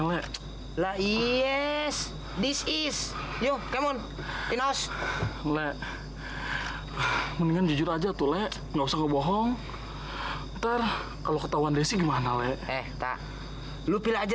lele mendingan jujur aja tuh lele nggak usah bohong terkeluh ketahuan disini mana lele aja